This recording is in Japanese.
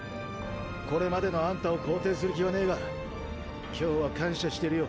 これまでのアンタを肯定する気はねぇが今日は感謝してるよ。